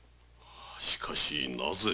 しかしなぜ？